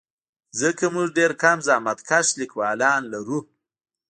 ځکه موږ ډېر کم زحمتکښ لیکوالان لرو.